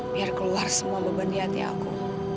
biar keluar semua beban di hati aku